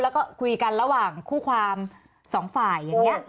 แล้วก็คุยกันระหว่างคู่ความสองฝ่ายอย่างนี้